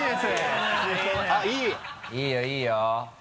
いいよいいよ。